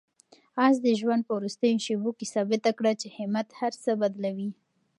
آس د ژوند په وروستیو شېبو کې ثابته کړه چې همت هر څه بدلوي.